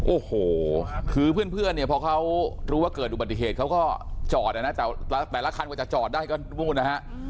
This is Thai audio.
โอ้โหคือเพื่อนเพื่อนเนี่ยพอเขารู้ว่าเกิดอุบัติเหตุเขาก็จอดเนี่ยนะแต่แต่ละคันก็จะจอดได้กันทุกคนนะฮะ